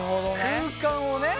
空間をね。